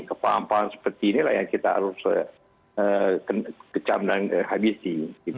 kepahaman paham seperti inilah yang kita harus kecam dan habisi